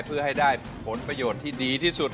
เพื่อให้ได้ผลประโยชน์ที่ดีที่สุด